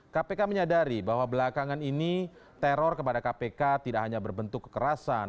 kpk menyadari bahwa belakangan ini teror kepada kpk tidak hanya berbentuk kekerasan